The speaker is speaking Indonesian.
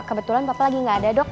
kebetulan bapak lagi gak ada dok